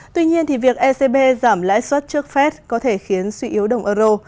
tuy nhiên việc ecb giảm lãi suất trước phép có thể khiến suy yếu đồng euro